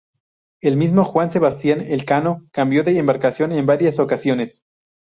El mismo Juan Sebastián Elcano cambió de embarcación en varias ocasiones.